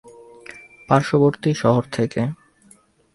পার্শ্ববর্তী শহর থেকে।